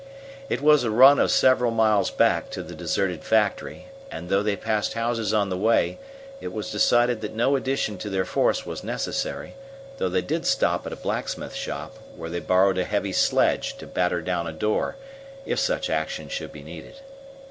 It was a run of several miles back to the deserted factory, and though they passed houses on the way, it was decided that no addition to their force was necessary, though they did stop at a blacksmith shop, where they borrowed a heavy sledge to batter down a door if such action should be needed.